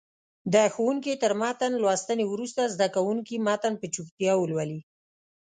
د ښوونکي تر متن لوستنې وروسته زده کوونکي متن په چوپتیا ولولي.